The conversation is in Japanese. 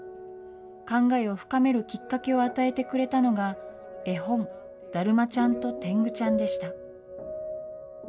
考えを深めるきっかけを与えてくれたのが、絵本、だるまちゃんとてんぐちゃんでした。